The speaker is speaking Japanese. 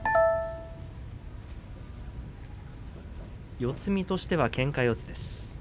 四つ身としてはけんか四つです。